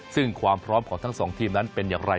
ซึ่งความพร้อมของทั้งสองทีมนั้นเป็นอย่างไร